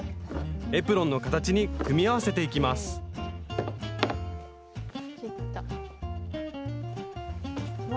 エプロンの形に組み合わせていきますわ